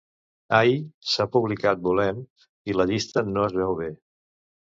Ai, s'ha publicat volent i la llista no es veu bé.